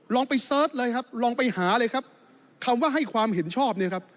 ลองไปเสิร์ชเลยครับลองไปหาเลยครับคำว่าให้ความเห็นชอบเนี่ยครับ